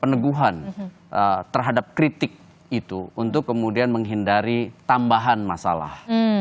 peneguhan terhadap kritik itu untuk kemudian menghindari tambahan masalah